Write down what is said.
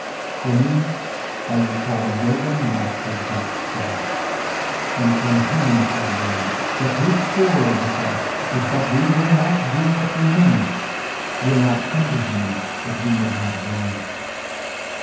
For me, I will call no one Master but Christ and from him I learn that his quarrel with us is that we will not do what we know, will not come to him that we may have life.